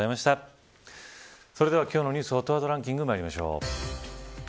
それでは今日のニュースＨＯＴワードランキングまいりましょう。